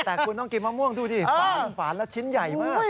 แต่คุณต้องกินมะม่วงดูสิฝานละชิ้นใหญ่มาก